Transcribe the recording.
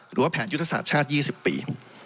หรือว่าแผนยุทธศาสตร์ชาติ๒๐ปี